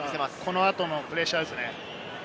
この後のプレッシャーですね。